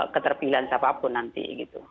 keterpilihan siapapun nanti